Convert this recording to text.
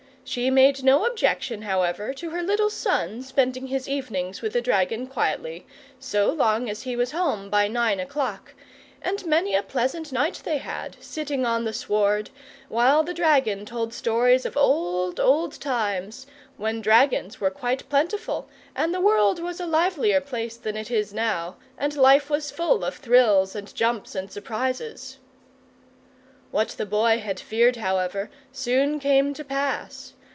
She made no objection, however, to her little son spending his evenings with the dragon quietly, so long as he was home by nine o'clock: and many a pleasant night they had, sitting on the sward, while the dragon told stories of old, old times, when dragons were quite plentiful and the world was a livelier place than it is now, and life was full of thrills and jumps and surprises. What the Boy had feared, however, soon came to pass.